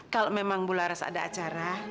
kalau memang bularas ada acara